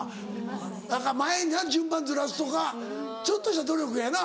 だから前にな順番ずらすとかちょっとした努力やな。